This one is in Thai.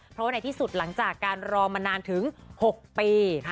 เพราะว่าในที่สุดหลังจากการรอมานานถึง๖ปี